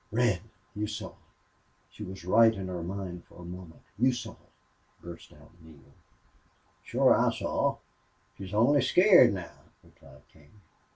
"Red, you saw she was right in her mind for a moment you saw?" burst out Neale. "Shore I saw. She's only scared now," replied King.